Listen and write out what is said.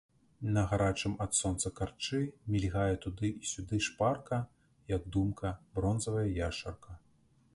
На гарачым ад сонца карчы мільгае туды і сюды шпарка, як думка, бронзавая яшчарка.